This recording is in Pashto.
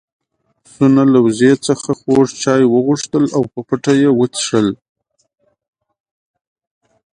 پسونو له وزې څخه خوږ چای وغوښتل او په پټه يې وڅښل.